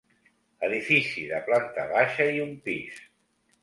Edifici de planta baixa i un pis.